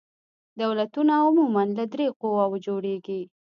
دولتونه عموماً له درې قواوو جوړیږي.